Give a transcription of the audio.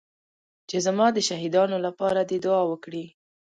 چې زما د شهيدانو لپاره دې دعا وکړي.